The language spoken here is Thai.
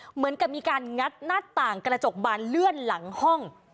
เหมือนกับมีการงัดหน้าต่างกระจกบานเลื่อนหลังห้อง